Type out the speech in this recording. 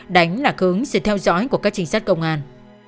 đánh là khướng sự theo dõi của các chính sách công an